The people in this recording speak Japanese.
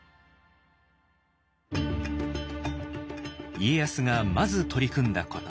家康がまず取り組んだこと。